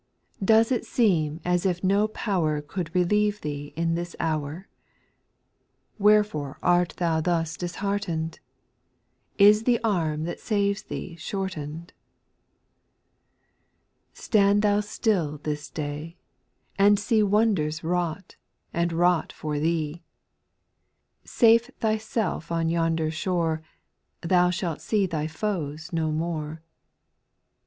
Does it seem as if no power Could relieve thee in this hour ? Wherefore art thou thus disheartened ? Is the arm that saves thee shortened ? 8. Stand thou still this day, and see Wonders wrought, and wrought for thee ; Safe thyself on yonder shore. Thou shalt see thy foes no more.